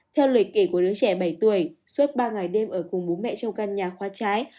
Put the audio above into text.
theo lịch kể của đứa trẻ bảy tuổi suốt ba ngày đêm ở cùng bố mẹ trong căn nhà khoa trái